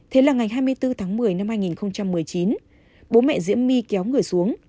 thế là ngày hai mươi bốn tháng một mươi năm hai nghìn một mươi chín bố mẹ diễm my kéo người xuống